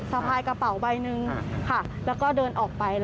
สะพายกระเป๋าใบหนึ่งแล้วก็เดินออกไป